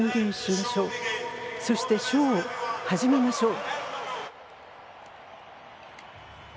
それではショーを始めましょう！